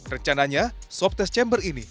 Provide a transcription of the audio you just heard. rencananya swab test chamber ini